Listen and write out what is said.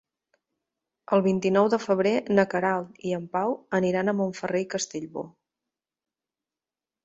El vint-i-nou de febrer na Queralt i en Pau aniran a Montferrer i Castellbò.